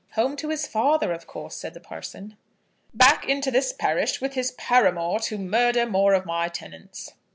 "Home to his father, of course," said the parson. "Back into this parish, with his paramour, to murder more of my tenants."